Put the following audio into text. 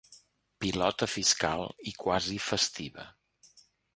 Pilota fiscal i quasi festiva.